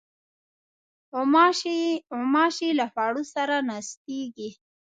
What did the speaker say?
غوماشې له خوړو سره ناستېږي.